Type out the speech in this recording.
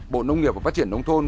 bộ nông nghiệp và phát triển nông thôn